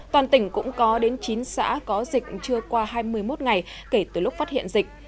toàn tỉnh cũng có đến chín xã có dịch chưa qua hai mươi một ngày kể từ lúc phát hiện dịch